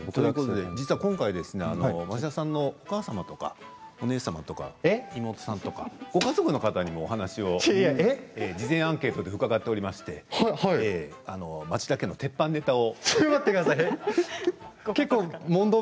実は今回町田さんのお母様とかお姉さん、妹さんとかご家族の方にもお話を事前アンケートで伺っておりまして町田家の鉄板ネタを。